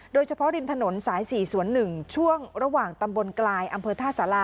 โดยเฉพาะริมถนนสาย๔๐๑ช่วงระหว่างตำบลกลายอำเภอท่าสารา